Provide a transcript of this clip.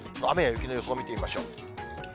雨や雪の予想を見てみましょう。